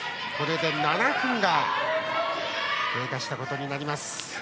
７分が経過したことになります。